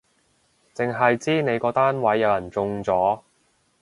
剩係知你個單位有人中咗